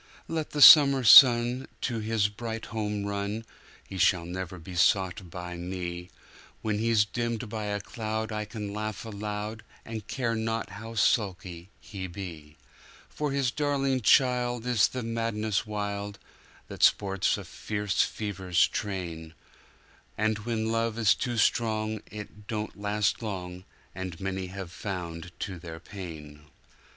Let the summer sun to his bright home run, He shall never be sought by me; When he's dimmed by a cloud I can laugh aloud, And care not how sulky he be; For his darling child is the madness wildThat sports in fierce fever's train; And when love is too strong, it don't last long, As many have found to their pain.